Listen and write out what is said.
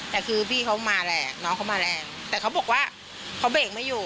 แต่คือพี่เขามาแรงน้องเขามาแรงแต่เขาบอกว่าเขาเบรกไม่อยู่